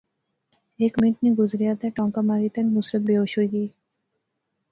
ہیک منٹ نی گزریا تے ٹانکا ماری تے نصرت بیہوش ہوئی گئی